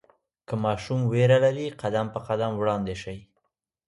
که ماشوم ویره لري، قدم په قدم وړاندې شئ.